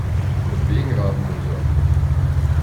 Von wegen Rabenmutter!